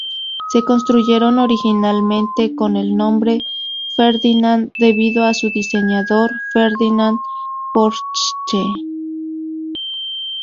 Se construyeron originalmente con el nombre "Ferdinand", debido a su diseñador, Ferdinand Porsche.